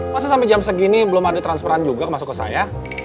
masa sampai jam segini belum ada transferan juga masuk ke saya